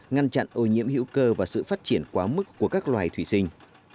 ngăn chặn ô nhiễm hữu cơ và sự phát triển quá mức của các loài thủy sinh